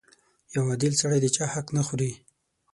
• یو عادل سړی د چا حق نه خوري.